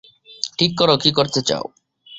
ঠিক করো, কী করতে চাও?